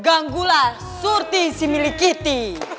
ganggulah surti si milik kita